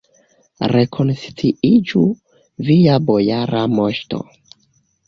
Rekonsciiĝu, via bojara moŝto!